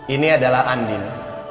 ini adalah andin